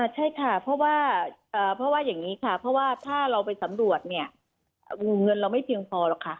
ใช่ค่ะเพราะว่าถ้าเราไปสำรวจเงินเราไม่เชียงพอหรอกค่ะ